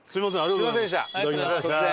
すいませんでした突然。